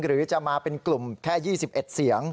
หรือจะมาเป็นกลุ่มแค่๒๑เสียง